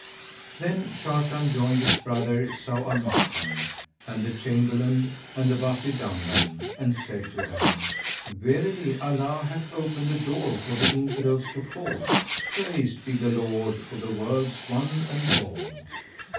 Then Sharrkan joined his brother, Zau al Makan, and the Chamberlain and the Wazir Dandan, and said to them, "Verily Allah hath opened a door for the Infidels to fall, praised be the Lord of the Worlds one and all!"